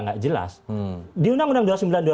nggak jelas di undang undang dua puluh sembilan dua ribu